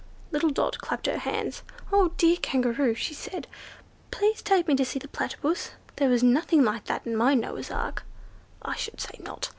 Little Dot clapped her hands. "Oh, dear Kangaroo," she said, "do take me to see the Platypus! there was nothing like that in my Noah's ark." "I should say not!"